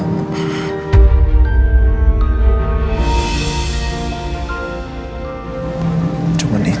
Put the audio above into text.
cuman itu yang aku perlukan